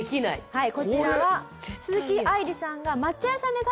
はい。